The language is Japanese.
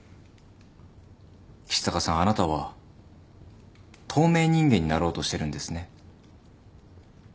橘高さんあなたは透明人間になろうとしてるんですね。